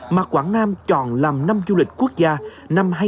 mà quảng nam chọn làm năm du lịch quốc gia năm hai nghìn hai mươi